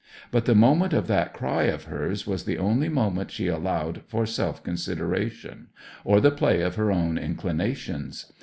But the moment of that cry of hers was the only moment she allowed for self consideration, or the play of her own inclinations.